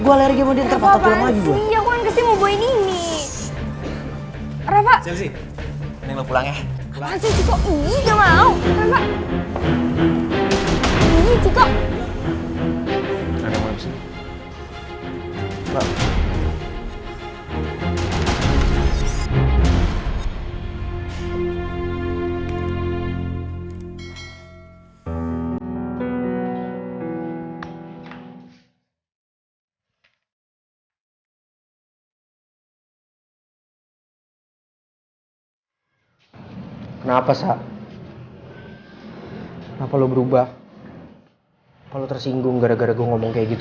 gue minta maaf kalau tersinggung